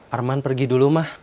arman pergi dulu mah